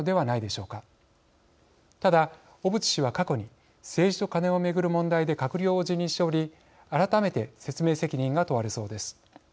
ただ小渕氏は過去に「政治とカネ」を巡る問題で閣僚を辞任しており改めて説明責任が問われそうです。